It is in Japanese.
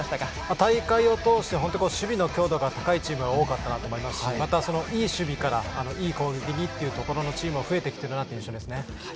大会を通して守備の強度が高いチームが多かったなと思いますしいい守備からいい攻撃にというところのチームも増えてきている印象ですね。